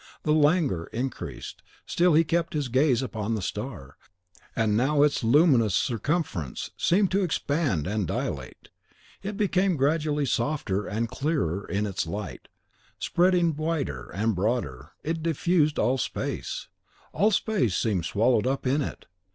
The languor increased, still he kept his gaze upon the star, and now its luminous circumference seemed to expand and dilate. It became gradually softer and clearer in its light; spreading wider and broader, it diffused all space, all space seemed swallowed up in it.